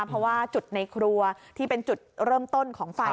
เพราะว่าจุดในครัวที่เป็นจุดเริ่มต้นของไฟ